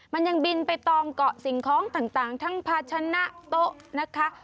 มันยังบินไปตองเกาะสิ่งของต่างทั้งภาชนะโต๊ะนะคะ